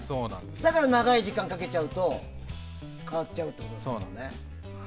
だから長い時間をかけちゃうと変わっちゃうということですね。